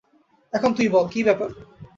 এখন তুই বল, কী ব্যাপার?